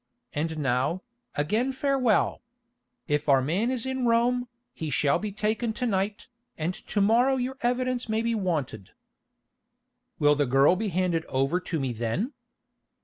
And now, again farewell. If our man is in Rome, he shall be taken to night, and to morrow your evidence may be wanted." "Will the girl be handed over to me then?"